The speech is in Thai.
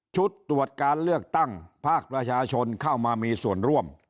ชุดตรวจการเลือกตั้งภาคประชาชนเข้ามามีส่วนร่วม